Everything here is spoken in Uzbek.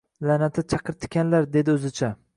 La’nati chaqirtikanlar dedi o’zicha.